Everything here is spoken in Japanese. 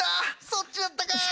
そっちやったか！